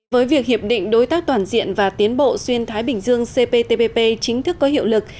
với việc hiệp định đối tác toàn diện và tiến bộ xuyên thái bình dương cptpp chính thức có hiệu lực